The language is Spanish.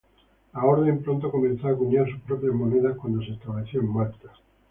La Orden pronto comenzó a acuñar sus propias monedas cuando se estableció en Malta.